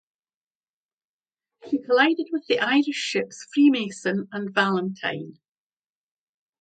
She collided with the Irish ships "Freemason" and "Valentine".